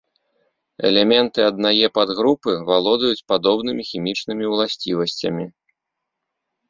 Элементы аднае падгрупы валодаюць падобнымі хімічнымі ўласцівасцямі.